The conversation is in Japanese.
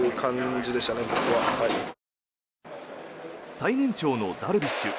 最年長のダルビッシュ。